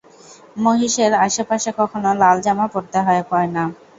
মহিষের আশেপাশে কখনও লাল জামা পরতে হয় না।